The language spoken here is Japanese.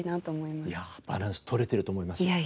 いやバランス取れてると思います。